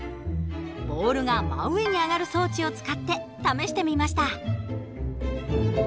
ボールが真上に上がる装置を使って試してみました。